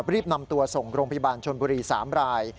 รีบนำตัวส่งโรงพยาบาลชนบุรี๓ราย